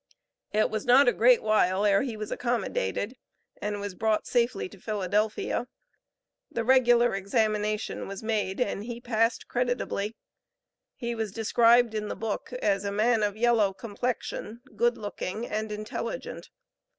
It was not a great while ere he was accommodated, and was brought safely to Philadelphia. The regular examination was made and he passed creditably. He was described in the book as a man of yellow complexion, good looking, and intelligent.